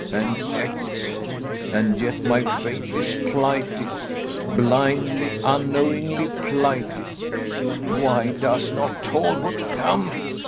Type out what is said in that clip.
And yet and yet, my faith is plighted; blindly, unknowingly plighted. Why does not Talbot come?